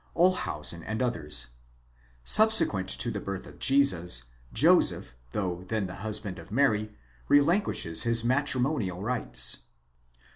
Olshausen and others : subsequent to the birth of Jesus, Joseph, though then the husband of Mary, relinquishes his matrimonial rights.